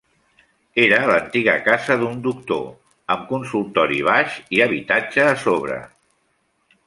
Era l'antiga casa d'un doctor, amb consultori baix i habitatge a sobre.